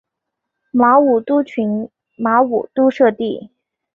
马武督群马武督社地。